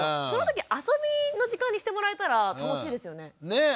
その時遊びの時間にしてもらえたら楽しいですよね。